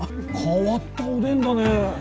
変わったおでんだね。